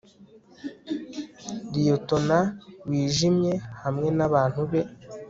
Liyetona wijimye hamwe nabantu be